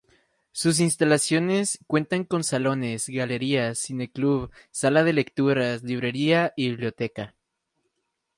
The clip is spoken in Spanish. Sus instalaciones cuentan con salones, galerías, cineclub, sala de lecturas, librería y biblioteca.